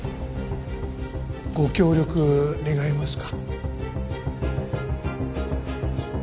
ご協力願えますか？